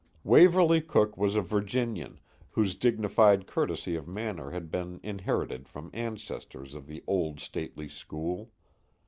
Waverley Cooke was a Virginian, whose dignified courtesy of manner had been inherited from ancestors of the old stately school.